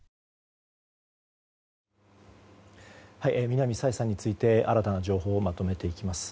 南朝芽さんについて新たな情報をまとめていきます。